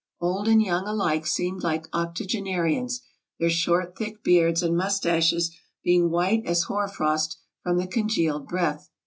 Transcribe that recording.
Old and young alike seemed like octogenarians, their short, thick beards and mustaches being white as hoar frost from the congealed breath.